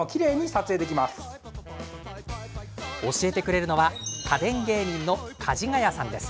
教えてくれるのは家電芸人のかじがやさんです。